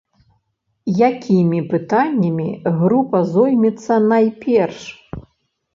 Якімі пытаннямі група зоймецца найперш?